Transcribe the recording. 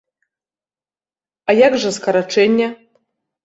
А як жа скарачэнне?